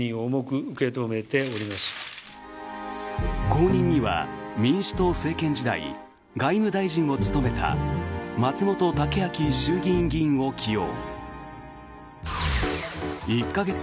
後任には民主党政権時代外務大臣を務めた松本剛明衆議院議員を起用。